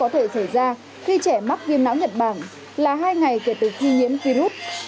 có thể xảy ra khi trẻ mắc viêm não nhật bản là hai ngày kể từ khi nhiễm virus